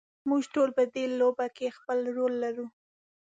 موږ ټول په دې لوبه کې خپل رول لرو.